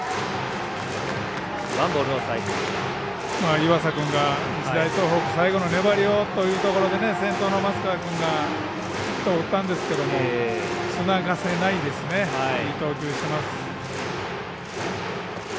岩佐君が日大東北最後の粘りをということで先頭の松川君がヒットを打ったんですけどつながせないですねいい投球しています。